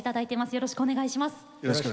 よろしくお願いします。